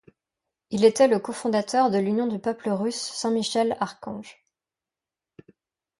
Il était le cofondateur de l'Union du peuple russe Saint-Michel-Archange.